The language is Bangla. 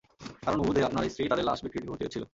কারণ, উহুদে আপনার স্ত্রীই তাদের লাশের বিকৃতি ঘটিয়েছিল।